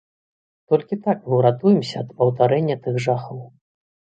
Толькі так мы ўратуемся ад паўтарэння тых жахаў.